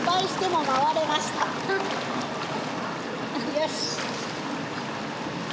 よし！